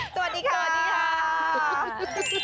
สวัสดีค่ะ